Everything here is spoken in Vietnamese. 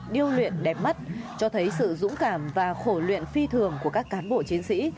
điêu luyện đẹp mắt cho thấy sự dũng cảm và khổ luyện phi thường của các cán bộ chiến sĩ